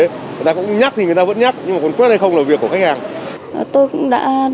người ta cũng nhắc thì người ta vẫn nhắc nhưng mà còn quét hay không là việc của khách hàng